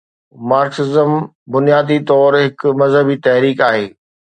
Marxism بنيادي طور هڪ مذهبي تحريڪ آهي.